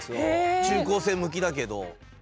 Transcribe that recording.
中高生向きだけど。